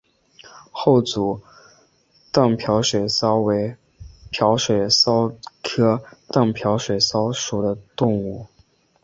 厚足荡镖水蚤为镖水蚤科荡镖水蚤属的动物。